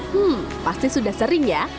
hmm pasti sudah sering ya